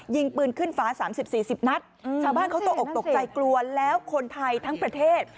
ยิงปืนขึ้นฟ้าสามสิบสี่สิบนัดสาวบ้านเขาตกตกใจกลัวแล้วคนไทยทั้งประเทศ